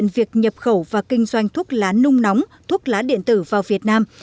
và kinh doanh thuốc lá nung nóng thuốc lá điện tử vào việt nam